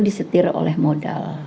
disetir oleh modal